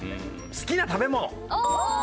好きな食べ物。